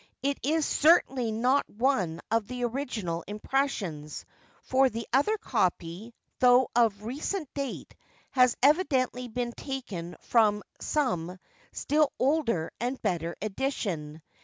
It is certainly not one of the original impressions, for the other copy, though of recent date, has evidently been taken from some still older and better edition.